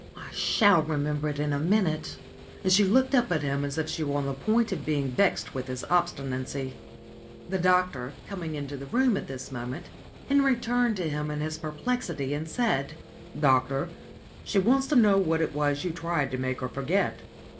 I shall remember it in a minute," and she looked up at him as if she were on the point of being vexed with his obstinacy. The doctor coming into the room at this moment, Henry turned to him in his perplexity, and said "Doctor, she wants to know what it was you tried to make her forget."